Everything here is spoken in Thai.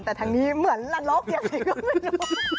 แต่ทางนี้เหมือนละลอกยังไงก็ไม่รู้